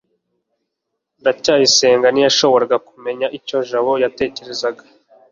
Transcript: ndacyayisenga ntiyashoboraga kumenya icyo jabo yatekerezaga